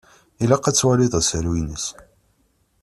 Ilaq ad twaliḍ asaru-ines.